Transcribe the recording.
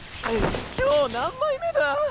今日何枚目だ？